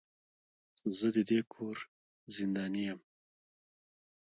زه د دې کور زنداني يم.